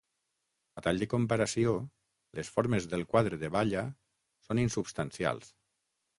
A tall de comparació, les formes del quadre de Balla són insubstancials.